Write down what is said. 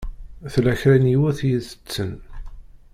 Tella kra n yiwet i itetten.